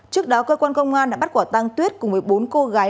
trước đó cơ quan công an đã bắt quả tăng tuyết cùng với bốn cô gái